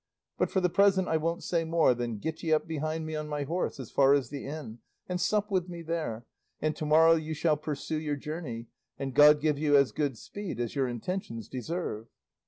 But for the present I won't say more than get ye up behind me on my horse as far as the inn, and sup with me there, and to morrow you shall pursue your journey, and God give you as good speed as your intentions deserve."